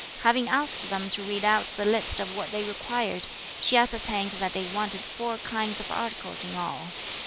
Having asked them to read out the list of what they required, she ascertained that they wanted four kinds of articles in all.